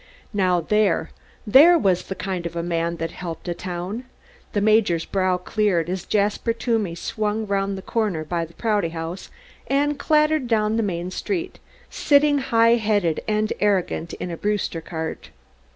Now, there there was the kind of a man that helped a town! The Major's brow cleared as Jasper Toomey swung round the corner by the Prouty House and clattered down the main street sitting high headed and arrogant in a Brewster cart.